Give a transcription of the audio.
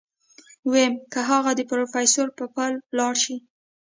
ويم که اغه د پروفيسر په پل لاړ شي.